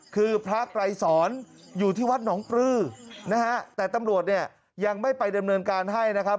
คือพระไกรสอนอยู่ที่วัดหนองปลือนะฮะแต่ตำรวจเนี่ยยังไม่ไปดำเนินการให้นะครับ